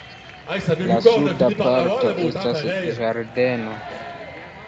La suda parto estas ĝardeno.